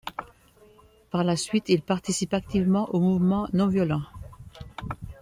Par la suite, il participe activement aux mouvements non-violents.